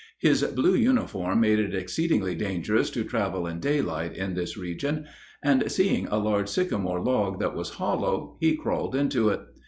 His blue uniform made it exceedingly dangerous to travel in daylight in this region; and seeing a large sycamore log that was hollow, he crawled into it.